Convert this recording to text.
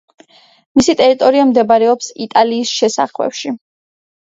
მისი ტერიტორია მდებარეობს იტალიის შესახვევში.